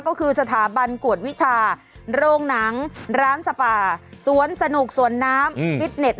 ก็คือสถาบันกวดวิชาโรงหนังร้านสปาสวนสนุกสวนน้ำฟิตเน็ต